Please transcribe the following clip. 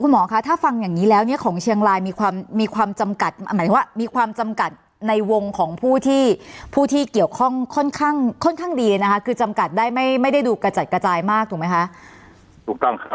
คุณหมอคะถ้าฟังอย่างนี้แล้วของเชียงรายมีความจำกัดในวงของผู้ที่เกี่ยวข้องค่อนข้างดีนะคะคือจำกัดได้ไม่ได้ดูกระจัดกระจายมากถูกไหมคะ